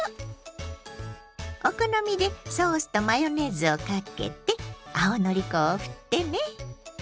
お好みでソースとマヨネーズをかけて青のり粉をふってね！